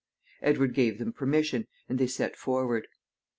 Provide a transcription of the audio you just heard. Edward gave them permission, and they set forward.